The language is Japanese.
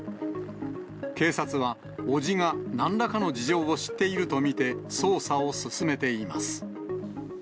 警察は、伯父がなんらかの事情を知っていると見て捜査を進めています。